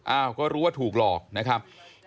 อ้าวก็รู้ว่าถูกหลอกนะครับ